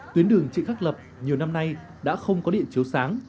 tuyến đường trị khắc lập nhiều năm nay đã không có điện chiếu sáng